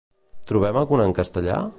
Trobem alguna en castellà?